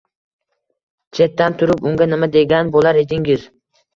Chetdan turib unga nima degan bo‘lar edingiz?